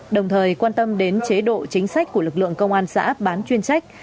đồng thời quan tâm đến chế độ chính sách của lực lượng công an xã bán chuyên trách